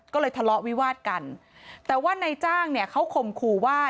ก็เลยทะเลาะวิวาดกันแต่ว่านายจ้างเนี่ยเขาข่มขู่ว่า